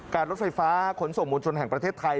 รถไฟฟ้าขนส่งมวลชนแห่งประเทศไทย